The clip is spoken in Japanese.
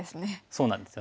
そうなんですよね。